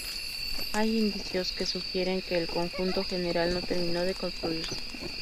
Hay indicios que sugieren que el conjunto general no terminó de construirse.